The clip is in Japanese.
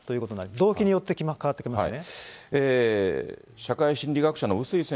動機によって変わってきますね。